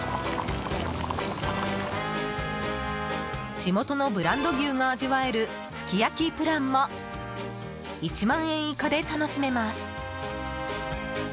地元のブランド牛が味わえるすき焼きプランも１万円以下で楽しめます。